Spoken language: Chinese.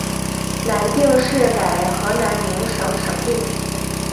南定市改为河南宁省省莅。